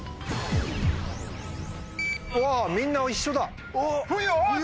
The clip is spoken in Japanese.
うわみんな一緒だ。